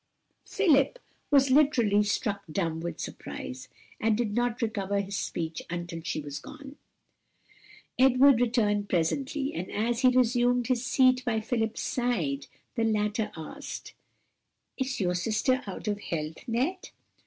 Philip was literally struck dumb with surprise, and did not recover his speech until she was gone. Edward returned presently, and as he resumed his seat by Philip's side the latter asked, "Is your sister out of health, Ned?"